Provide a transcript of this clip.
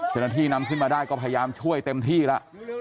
เจ้าหน้าที่นำขึ้นมาได้ก็พยายามช่วยเต็มที่แล้ว